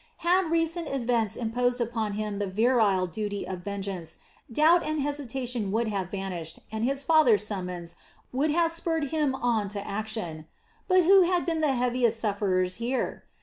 Had recent events imposed upon him the virile duty of vengeance, doubt and hesitation would have vanished and his father's summons would have spurred him on to action; but who had been the heaviest sufferers here?